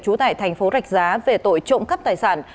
chú tại thành phố rạch giá về tội trộm cấp tài sản